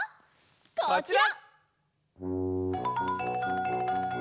こちら！